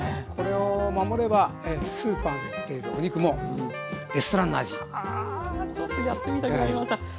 これを守ればスーパーで売っているお肉もレストランの味！はあちょっとやってみたくなりました。